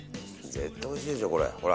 絶対おいしいでしょう、これ。